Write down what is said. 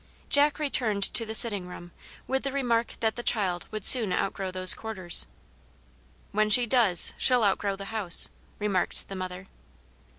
Jack returned to the sitting room with the remark that the child would soon outgrow those quarters. "When she DOES, she'll outgrow the house," remarked the mother.